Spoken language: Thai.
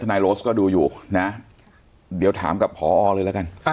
นายโรสก็ดูอยู่นะเดี๋ยวถามกับพอเลยแล้วกัน